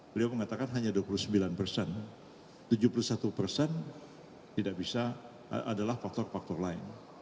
beliau mengatakan hanya dua puluh sembilan persen tujuh puluh satu persen tidak bisa adalah faktor faktor lain